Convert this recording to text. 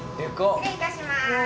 失礼いたします。